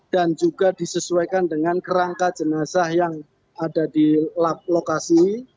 dan juga disesuaikan dengan kerangka jenazah yang ada di lokasi